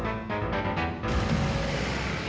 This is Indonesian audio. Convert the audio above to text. aku nyari kertas sama pulpen dulu ya